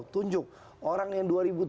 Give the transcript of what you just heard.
tunjuk orang yang dua ribu tujuh belas